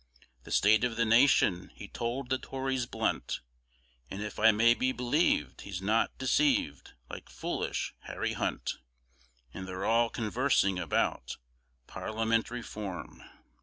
The state of the nation he told the tories blunt, And if I may be believ'd he's not deceived like foolish Harry Hunt. And they're all conversing about Parliament Reform.